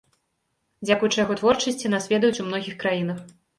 Дзякуючы яго творчасці нас ведаюць у многіх краінах.